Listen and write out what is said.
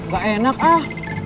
gak enak ah